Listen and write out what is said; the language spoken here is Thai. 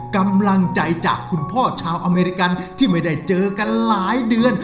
กำลังใจจากคุณพ่อชาวอเมริกันที่ไม่ได้เจอกันหลายเดือน